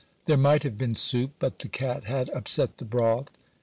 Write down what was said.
There might have been soup, but the cat had upset the broth.